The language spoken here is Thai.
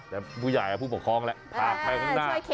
แต่ผู้ใหญ่ผู้ปกครองแหละพากไปข้างหน้า